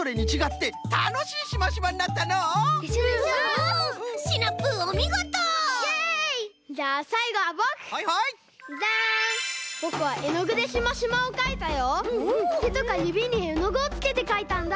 てとかゆびにえのぐをつけてかいたんだ！